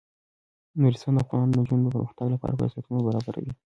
نورستان د افغان نجونو د پرمختګ لپاره فرصتونه برابروي.